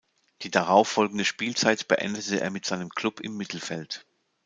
Die darauffolgende Spielzeit beendete er mit seinem Klub im Mittelfeld.